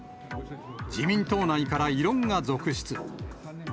自民党内から異論が続出。